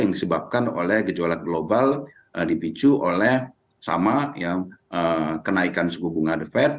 yang disebabkan oleh gejolak global dipicu oleh sama kenaikan sebuah bunga defed